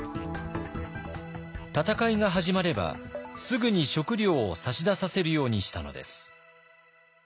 戦いが始まればすぐに食糧を差し出させるようにしたのです。